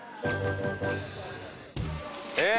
えっ。